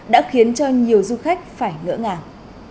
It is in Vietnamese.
đã khiến cho nhiều du khách phải ngỡ ngàng